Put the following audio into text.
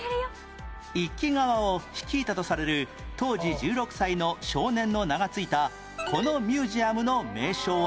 一揆側を率いたとされる当時１６歳の少年の名が付いたこのミュージアムの名称は？